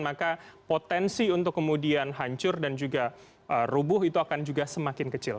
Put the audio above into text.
maka potensi untuk kemudian hancur dan juga rubuh itu akan juga semakin kecil